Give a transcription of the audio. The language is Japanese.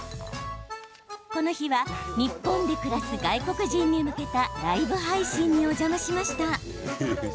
この日は日本で暮らす外国人に向けたライブ配信にお邪魔しました。